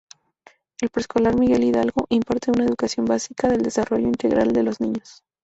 El Preescolar Miguel Hidalgo, imparte una educación básica del desarrollo integral de los niños.